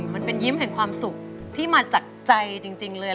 มันเป็นยิ้มแห่งความสุขที่มาจากใจจริงเลย